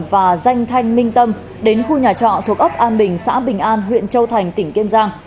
và danh thanh minh tâm đến khu nhà trọ thuộc ấp an bình xã bình an huyện châu thành tỉnh kiên giang